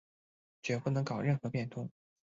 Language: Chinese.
决不能搞任何变通